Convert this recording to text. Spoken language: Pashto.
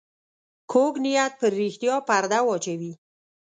کوږ نیت پر رښتیا پرده واچوي